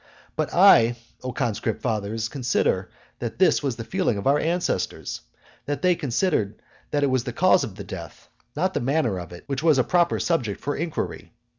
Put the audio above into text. But I, O conscript fathers, consider that this was the feeling of our ancestors, that they considered that it was the cause of death, and not the manner of it, which was a proper subject for inquiry.